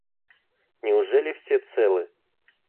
— Неужели все целы?